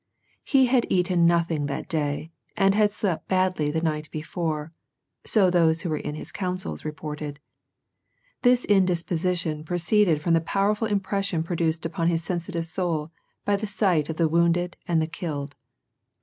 He had eaten nothing that day, and had slept badly the night before, so those who were in his counsels rejwrted. This in disposition proceeded from the powerful impression produced upon his sensitive soul by the sight of the wounded and the killed.